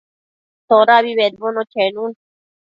Todabi bedbono chenun